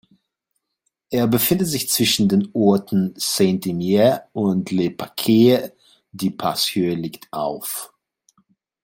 Er befindet sich zwischen den Orten Saint-Imier und Le Pâquier, die Passhöhe liegt auf